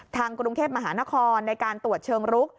ทางกรุงเทพมหานครในการตรวจเชิงรุก